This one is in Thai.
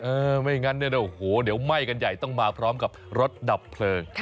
ไม่งั้นเนี่ยโอ้โหเดี๋ยวไหม้กันใหญ่ต้องมาพร้อมกับรถดับเพลิง